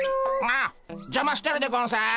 ああじゃましてるでゴンス。